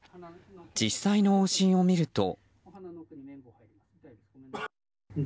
実際の往診を見ると。